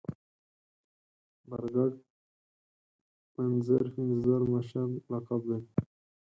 برګډ پنځر پنځه زر مشر لقب لري.